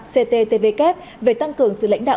cttvk về tăng cường sự lãnh đạo